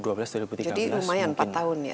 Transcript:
jadi lumayan empat tahun ya